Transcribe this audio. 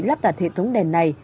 lắp đặt hệ thống đèn này